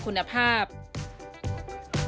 แต่ในโรงเรียียนประจำทั้งมีคุณภาพ